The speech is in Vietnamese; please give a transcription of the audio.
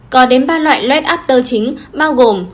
có đến ba loại lết after chính bao gồm